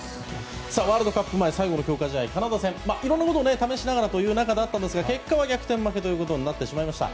ワールドカップ前最後の強化試合のカナダ戦いろいろなことを試しながらでしたが結果は逆転負けとなってしまいました。